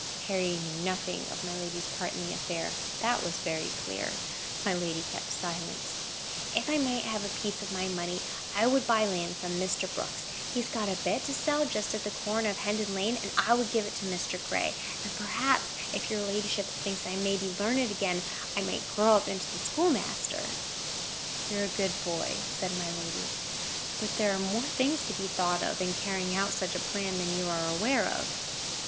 Harry knew nothing of my lady's part in the affair; that was very clear. My lady kept silence. "If I might have a piece of my money, I would buy land from Mr. Brooks; he has got a bit to sell just at the corner of Hendon Lane, and I would give it to Mr. Gray; and, perhaps, if your ladyship thinks I may be learned again, I might grow up into the schoolmaster." "You are a good boy," said my lady. "But there are more things to be thought of, in carrying out such a plan, than you are aware of.